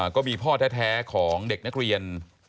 ก็มีพ่อแท้ของเด็กนักเรียน